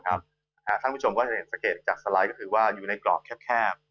ท่านผู้ชมก็จะเห็นสังเกตจากสไลด์ก็คือว่าอยู่ในกรอบแคบ